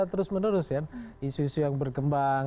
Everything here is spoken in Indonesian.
terus menerus isu isu yang bergembang